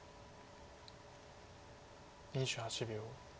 ２８秒。